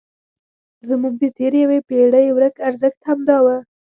زموږ د تېرې یوې پېړۍ ورک ارزښت همدا و.